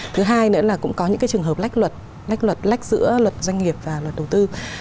thứ hai nữa là cũng có những cái trường hợp lách luật lách luật lách giữa luật doanh nghiệp và luật đầu tư